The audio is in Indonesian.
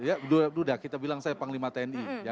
ya sudah kita bilang saya panglima tni